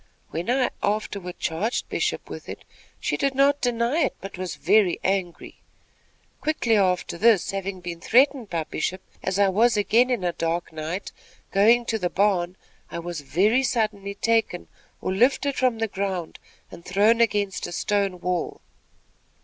When I afterward charged Bishop with it, she did not deny it, but was very angry. Quickly after this, having been threatened by Bishop, as I was again in a dark night, going to the barn, I was very suddenly taken or lifted from the ground, and thrown against a stone wall.